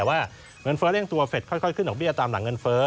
แต่ว่าเงินเฟ้อเร่งตัวเสร็จค่อยขึ้นดอกเบี้ยตามหลังเงินเฟ้อ